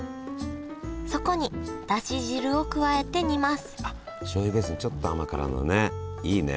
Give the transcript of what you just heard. そこにだし汁を加えて煮ますあしょうゆベースにちょっと甘辛のねいいね。